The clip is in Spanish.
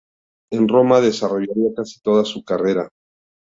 En Roma desarrollaría casi toda su carrera.